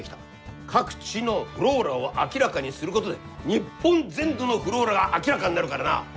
各地のｆｌｏｒａを明らかにすることで日本全土のｆｌｏｒａが明らかになるからな！